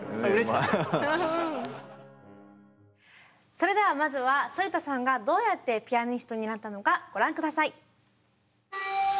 それではまずは反田さんがどうやってピアニストになったのかご覧下さい。